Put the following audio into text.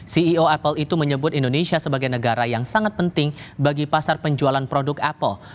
ceo apple itu menyebut indonesia sebagai negara yang sangat penting bagi pasar penjualan produk apple